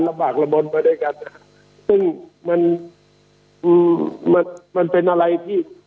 บากระบวนไปด้วยกันซึ่งมันมันมันเป็นอะไรที่